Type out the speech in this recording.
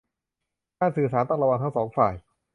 การสื่อสารต้องระวังทั้งสองฝ่าย